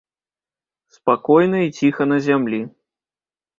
Спакойна і ціха на зямлі.